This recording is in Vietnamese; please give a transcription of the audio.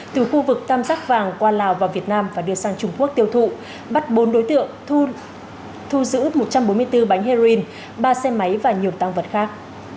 từ khu vực tam giác vàng qua lào vào việt nam và đưa sang trung quốc tiêu thụ bắt bốn đối tượng thu giữ một trăm bốn mươi bốn bánh heroin ba xe máy và nhiều tăng vật khác